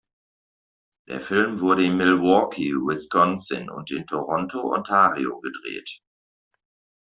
Der Film wurde in Milwaukee, Wisconsin und in Toronto, Ontario gedreht.